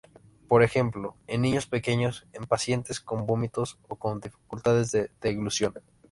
Por ejemplo, en niños pequeños, en pacientes con vómitos o con dificultades de deglución.